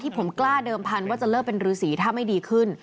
ที่ผมกล้าเดิมพันว่าจะเลิกเป็นรือสีถ้าไม่ดีขึ้น